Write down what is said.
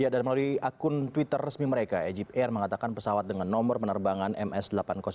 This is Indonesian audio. dan melalui akun twitter resmi mereka egypt air mengatakan pesawat dengan nomor penerbangan ms delapan ratus empat